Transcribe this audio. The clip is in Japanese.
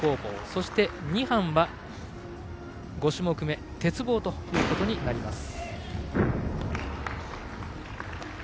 そして２班は５種目め鉄棒となります。